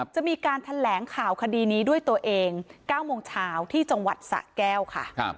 จะมีการแถลงข่าวคดีนี้ด้วยตัวเอง๙โมงเช้าที่จังหวัดสะแก้วค่ะ